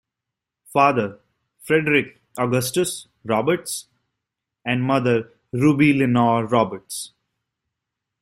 Father, Frederick Augustus Roberts and Mother, Ruby Lenore Roberts.